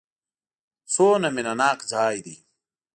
څومره مینه ناک ځای دی.